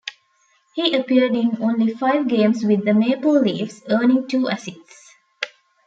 He appeared in only five games with the Maple Leafs, earning two assists.